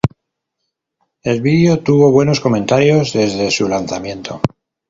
El vídeo tuvo buenos comentarios desde su lanzamiento.